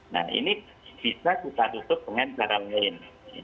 nah ini bisa ditutup dengan cara lain